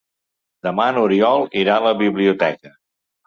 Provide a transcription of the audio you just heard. Demà n'Oriol irà a la biblioteca.